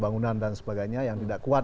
bangunan dan sebagainya yang tidak kuat